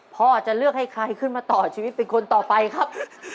พ่อจะเลือกให้ใครขึ้นมาต่อชีวิตเป็นคนต่อไปครับ